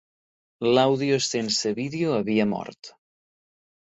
L'àudio sense vídeo havia mort.